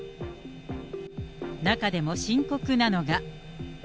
中でも深刻なのが。